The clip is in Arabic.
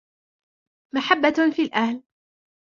مَحَبَّةٌ فِي الْأَهْلِ